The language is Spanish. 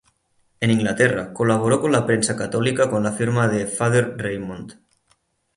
En Inglaterra colaboró con la prensa católica con la firma de "Father Raymond".